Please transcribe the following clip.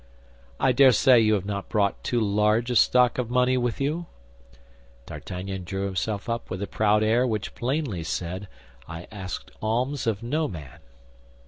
I dare say you have not brought too large a stock of money with you?" D'Artagnan drew himself up with a proud air which plainly said, "I ask alms of no man."